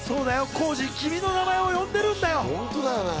浩次、君の名前を呼んでるんだよ。